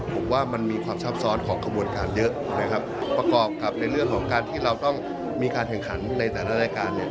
ผมว่ามันมีความซับซ้อนของขบวนการเยอะนะครับประกอบกับในเรื่องของการที่เราต้องมีการแข่งขันในแต่ละรายการเนี่ย